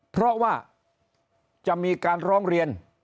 เพราะว่าจะมีการร้องเรียน